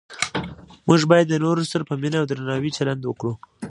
موږ باید د نورو سره په مینه او درناوي چلند وکړو